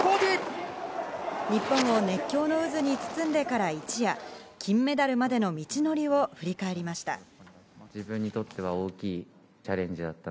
日本を熱狂の渦に包んでから一夜、金メダルまでの道程を振り返りました。